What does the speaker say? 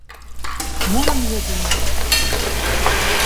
— Мурым йодына-а!